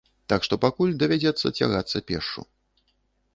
Так што пакуль давядзецца цягацца пешшу.